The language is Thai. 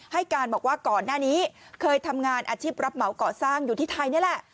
ให้การบอกว่าก่อนหน้านี้เคยทำงานอาชีพรับเหมาก่อสร้างอยู่ที่ไทยนี่แหละ